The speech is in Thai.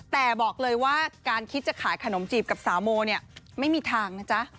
แต่บอกเลยว่าการคิดจะขายขนมจีบกับสาวโมเนี่ยไม่มีทางนะจ๊ะ